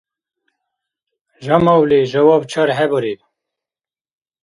Жамавли жаваб чархӀебариб.